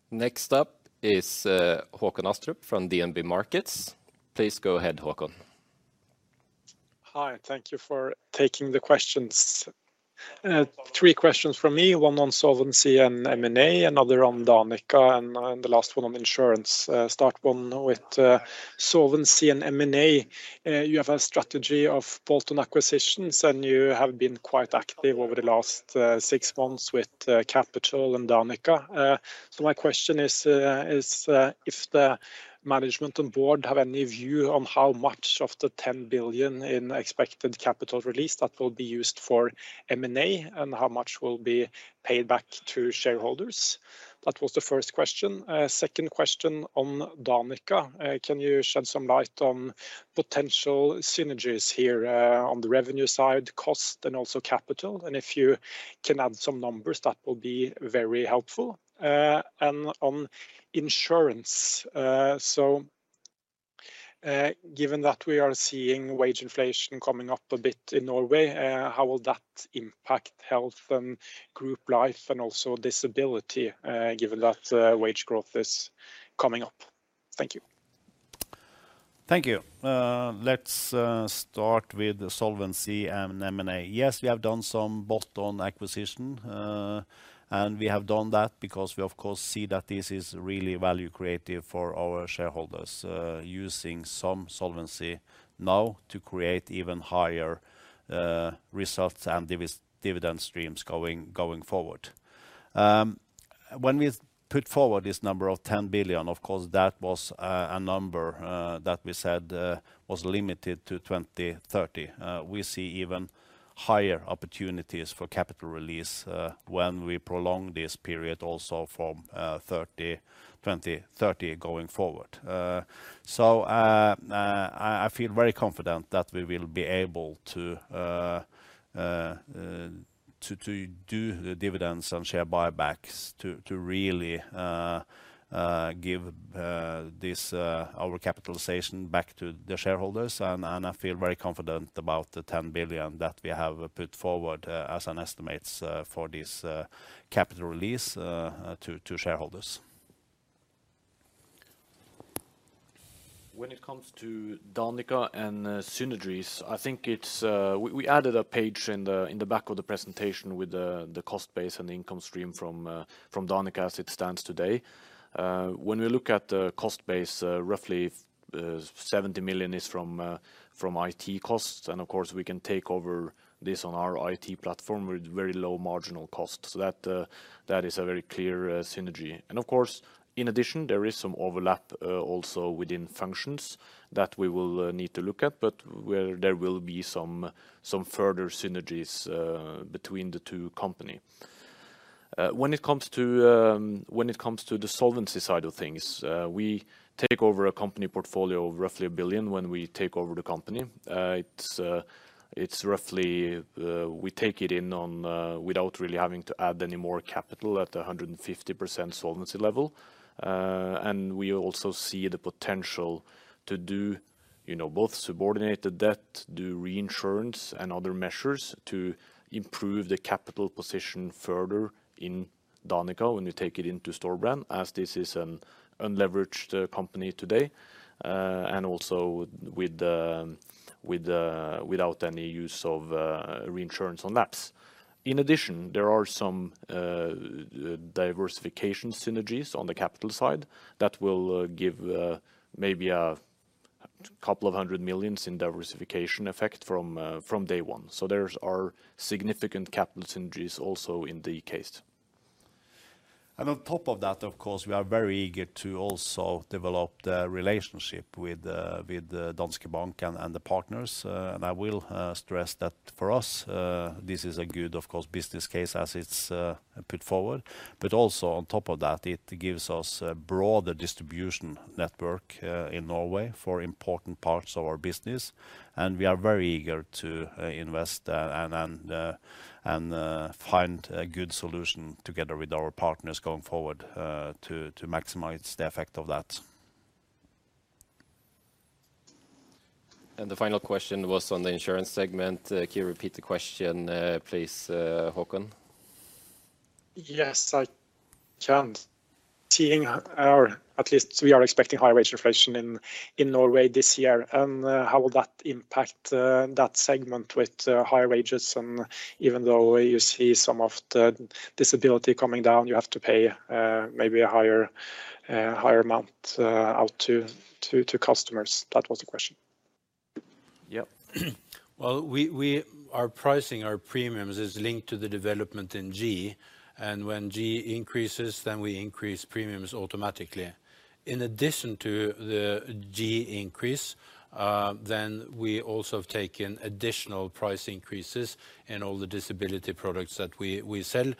Next up is Håkon Åstrup from DNB Markets. Please go ahead, Håkon. Hi, thank you for taking the questions. Three questions from me, one on solvency and M&A, another on Danica, and the last one on insurance. Start with solvency and M&A. You have a strategy of bolt-on acquisitions, and you have been quite active over the last six months with capital and Danica. So my question is, if the management on board have any view on how much of the 10 billion in expected capital release that will be used for M&A and how much will be paid back to shareholders? That was the first question. Second question on Danica. Can you shed some light on potential synergies here, on the revenue side, cost, and also capital? And if you can add some numbers, that will be very helpful. On insurance. Given that we are seeing wage inflation coming up a bit in Norway, how will that impact health and group life and also disability, given that wage growth is coming up? Thank you. Thank you. Let's start with the solvency and M&A. Yes, we have done some bolt-on acquisition, and we have done that because we, of course, see that this is really value creative for our shareholders, using some solvency now to create even higher results and dividend streams going forward. When we put forward this number of 10 billion, of course, that was a number that we said was limited to 2030. We see even higher opportunities for capital release when we prolong this period also from 2030 going forward. I feel very confident that we will be able to do the dividends and share buybacks to really give our capitalization back to the shareholders. I feel very confident about the 10 billion that we have put forward as an estimate for this capital release to shareholders. When it comes to Danica and synergies, I think it's we added a page in the back of the presentation with the cost base and the income stream from Danica as it stands today. When we look at the cost base, roughly 70 million is from IT costs. Of course, we can take over this on our IT platform with very low marginal cost. That is a very clear synergy. Of course, in addition, there is some overlap also within functions that we will need to look at, but where there will be some further synergies between the two companies. When it comes to the solvency side of things, we take over a company portfolio of roughly 1 billion when we take over the company. It's roughly we take it in on without really having to add any more capital at a 150% solvency level. We also see the potential to do, you know, both subordinated debt, do reinsurance, and other measures to improve the capital position further in Danica when we take it into Storebrand, as this is an unleveraged company today, and also without any use of reinsurance on lapse. In addition, there are some diversification synergies on the capital side that will give maybe a couple of hundred million in diversification effect from day one. There are significant capital synergies also in the case. On top of that, of course, we are very eager to also develop the relationship with Danske Bank and the partners. I will stress that for us, this is a good, of course, business case as it's put forward. Also on top of that, it gives us a broader distribution network in Norway for important parts of our business. We are very eager to invest and find a good solution together with our partners going forward to maximize the effect of that. The final question was on the insurance segment. Can you repeat the question, please, Håkon? Yes, I can. Seeing as we are expecting high wage inflation in Norway this year, and how will that impact that segment with higher wages and even though you see some of the disability coming down, you have to pay maybe a higher amount out to customers. That was the question. Well, our pricing, our premiums is linked to the development in G. When G increases, then we increase premiums automatically. In addition to the G increase, we also have taken additional price increases in all the disability products that we sell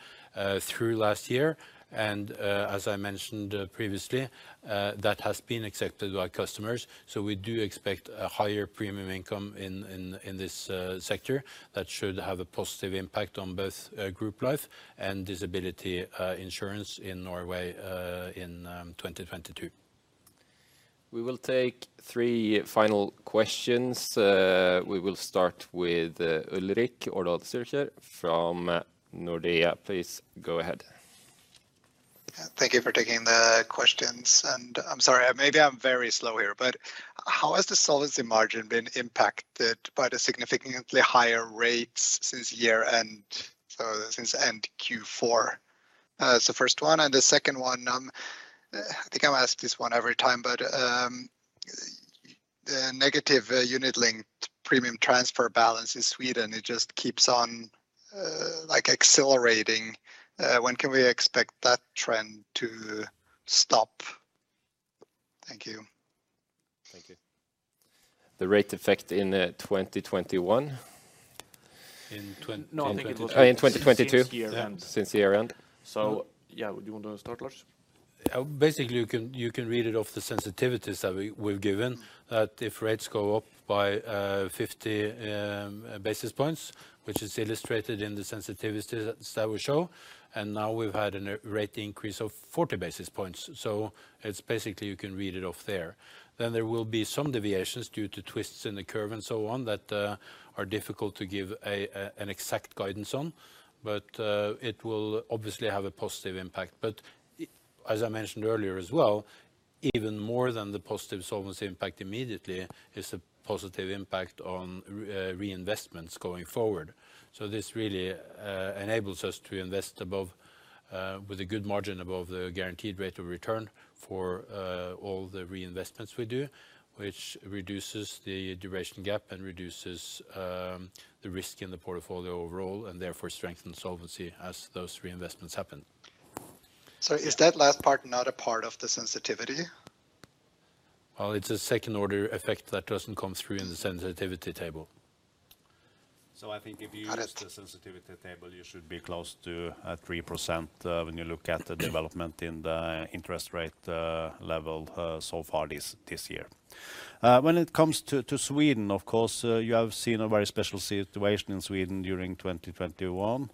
through last year. As I mentioned previously, that has been accepted by customers. We do expect a higher premium income in this sector that should have a positive impact on both group life and disability insurance in Norway in 2022. We will take three final questions. We will start with Ulrik from Nordea. Please go ahead. Thank you for taking the questions, and I'm sorry, maybe I'm very slow here, but how has the solvency margin been impacted by the significantly higher rates since year-end, so since end Q4? That's the first one. The second one, I think I'm asked this one every time, but the negative unit-linked premium transfer balance in Sweden, it just keeps on like accelerating. When can we expect that trend to stop? Thank you. Thank you. The rate effect in 2021? In 2022. In 2022. Since year-end. Since year-end. Yeah. Do you want to start, Lars? Basically you can read it off the sensitivities that we've given that if rates go up by 50 basis points, which is illustrated in the sensitivities that we show, and now we've had a rate increase of 40 basis points. It's basically you can read it off there. There will be some deviations due to twists in the curve and so on that are difficult to give an exact guidance on. It will obviously have a positive impact. As I mentioned earlier as well, even more than the positive solvency impact immediately is the positive impact on reinvestments going forward. This really enables us to invest above, with a good margin above the guaranteed rate of return for all the reinvestments we do, which reduces the duration gap and reduces the risk in the portfolio overall and therefore strengthens solvency as those reinvestments happen. Is that last part not a part of the sensitivity? Well, it's a second order effect that doesn't come through in the sensitivity table. I think if you use the sensitivity table, you should be close to 3% when you look at the development in the interest rate level so far this year. When it comes to Sweden, of course, you have seen a very special situation in Sweden during 2021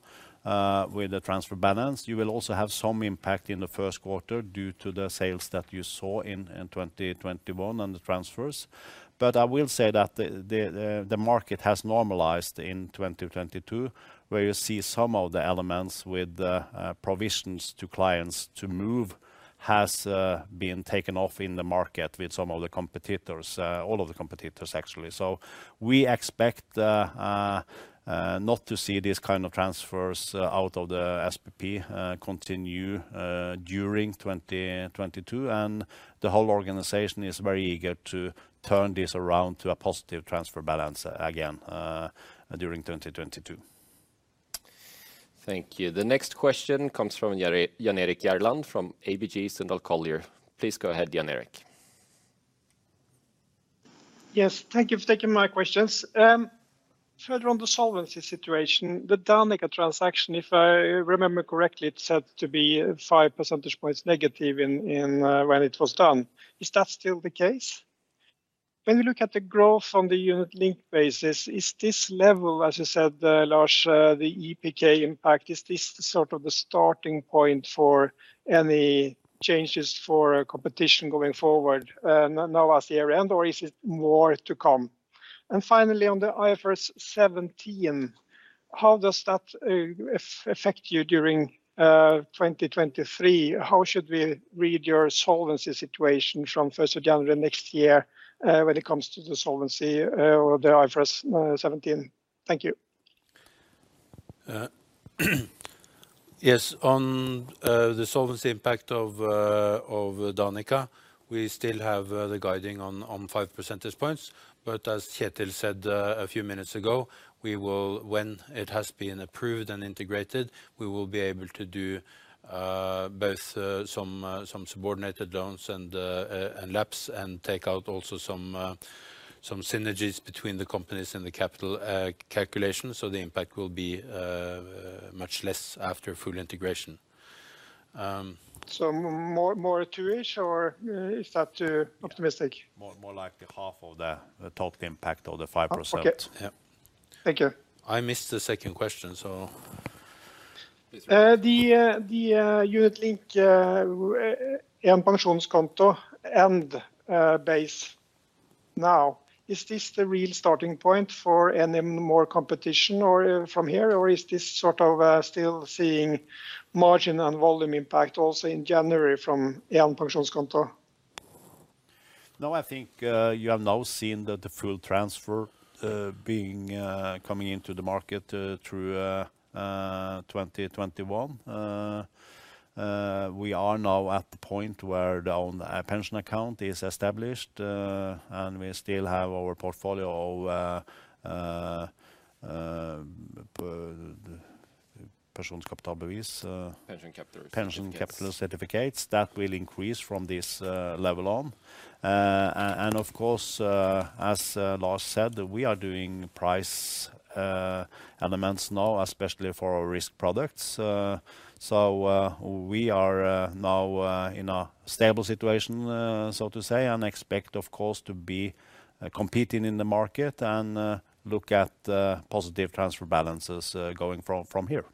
with the transfer balance. You will also have some impact in the Q1 due to the sales that you saw in 2021 and the transfers. I will say that the market has normalized in 2022, where you see some of the elements with the provisions to clients to move has been taken off in the market with some of the competitors, all of the competitors actually. We expect not to see these kind of transfers out of the SPP continue during 2022. The whole organization is very eager to turn this around to a positive transfer balance again during 2022. Thank you. The next question comes from Jan Erik Gjerland from ABG Sundal Collier. Please go ahead, Jan Erik Gjerland. Yes, thank you for taking my questions. Further on the solvency situation, the Danica transaction, if I remember correctly, it said to be 5 percentage points negative when it was done. Is that still the case? When we look at the growth on the unit-linked basis, is this level, as you said, Lars, the EPK impact, is this sort of the starting point for any changes for competition going forward, now as the year-end, or is it more to come? Finally, on the IFRS 17, how does that affect you during 2023? How should we read your solvency situation from first of January next year, when it comes to the solvency or the IFRS 17? Thank you. Yes. On the solvency impact of Danica, we still have the guidance on 5 percentage points. As Kjetil said a few minutes ago, when it has been approved and integrated, we will be able to do both some subordinated loans and lapse and take out also some synergies between the companies and the capital calculation. The impact will be much less after full integration. More two-ish, or is that too optimistic? More likely half of the total impact of the 5%. Okay. Yeah. Thank you. I missed the second question, so please repeat. The Unit-linked and Egen Pensjonskonto based now, is this the real starting point for any more competition or from here, or is this sort of still seeing margin and volume impact also in January from Egen Pensjonskonto? No, I think you have now seen that the full transfer coming into the market through 2021. We are now at the point where our own pension account is established, and we still have our portfolio of Pensjonskapitalbevis. Pension capital certificates Pension capital certificates that will increase from this level on. Of course, as Lars said, we are doing price elements now, especially for our risk products. We are now in a stable situation, so to say, and expect, of course, to be competing in the market and look at positive transfer balances going from here.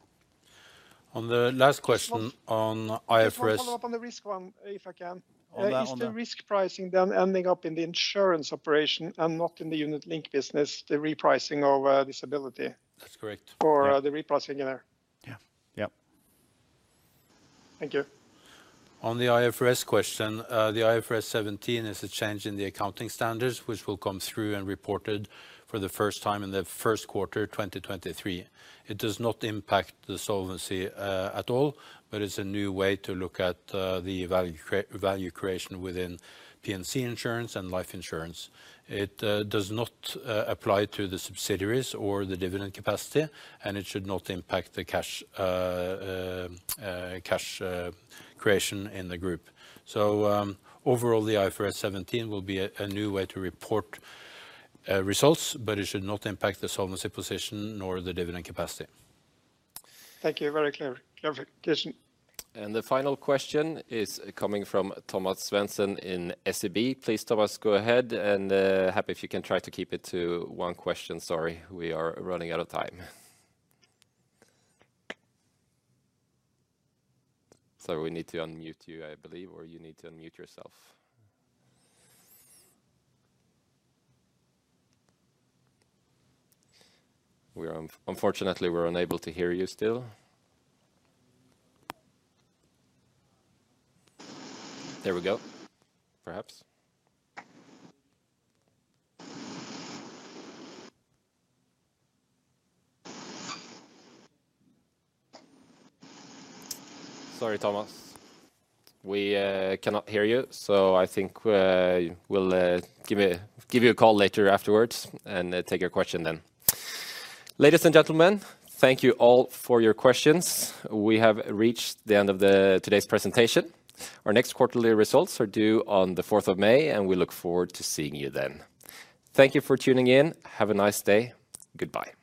On the last question on IFRS. Just one follow-up on the risk one, if I can. On the, on the- Is the risk pricing then ending up in the insurance operation and not in the unit-linked business, the repricing of disability? That's correct. The repricing in there? Yeah. Yep. Thank you. On the IFRS question, the IFRS 17 is a change in the accounting standards, which will come through and reported for the first time in the Q1 2023. It does not impact the solvency at all, but it's a new way to look at the value creation within P&C insurance and life insurance. It does not apply to the subsidiaries or the dividend capacity, and it should not impact the cash creation in the group. Overall, the IFRS 17 will be a new way to report results, but it should not impact the solvency position nor the dividend capacity. Thank you. Very clear. Clarification. The final question is coming from Thomas Svendsen in SEB. Please, Thomas, go ahead, and I'd be happy if you can try to keep it to one question. Sorry, we are running out of time. Sorry, we need to unmute you, I believe, or you need to unmute yourself. Unfortunately, we're unable to hear you still. There we go. Perhaps. Sorry, Thomas. We cannot hear you, so I think we'll give you a call later afterwards and take your question then. Ladies and gentlemen, thank you all for your questions. We have reached the end of today's presentation. Our next quarterly results are due on the fourth of May, and we look forward to seeing you then. Thank you for tuning in. Have a nice day. Goodbye.